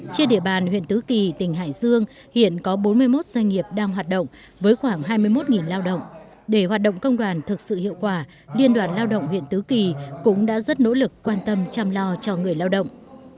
trên địa bàn huyện tứ kỳ tỉnh hải dương hiện có bốn mươi một doanh nghiệp đang hoạt động với khoảng hai mươi một lao động để hoạt động công đoàn thực sự hiệu quả liên đoàn lao động huyện tứ kỳ cũng đã rất nỗ lực quan tâm chăm lo cho người lao động